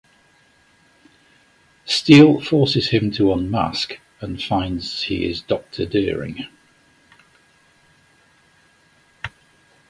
Steele forces him to unmask and finds he is Doctor Deering.